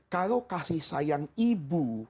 kalau kasih sayang ibu